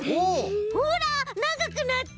ほらながくなった！